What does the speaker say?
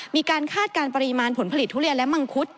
คาดการณ์ปริมาณผลผลิตทุเรียนและมังคุด